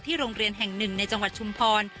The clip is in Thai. โรงเรียนแห่งหนึ่งในจังหวัดชุมพร